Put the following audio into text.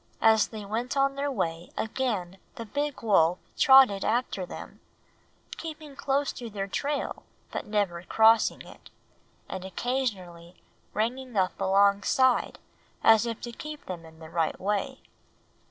As they went on their way again the big wolf trotted after them, keeping close to their trail but never crossing it, and occasionally ranging up alongside, as if to keep them in the right way.